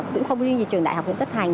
không riêng gì trường đại học nguyễn tất thành